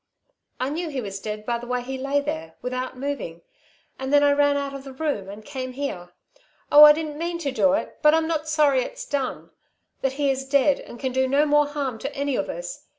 "I knew he was dead by the way he lay there, without moving and then I ran out of the room and came here. Oh, I didn't mean to do it but I'm not sorry it's done that he is dead and can do no more harm to any of us.